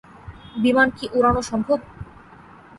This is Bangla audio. বিমান কি উড়ানো সম্ভব?